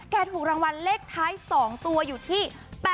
ถูกรางวัลเลขท้าย๒ตัวอยู่ที่๘๘